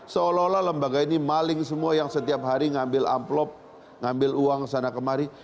seolah olah lembaga ini maling semua yang setiap hari ngambil amplop ngambil uang sana kemari